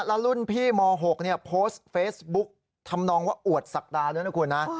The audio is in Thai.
แล้วรุ่นพี่ม๖โพสต์เฟซบุ๊กทำนองว่าอวดศักดาด้วยนะคุณนะ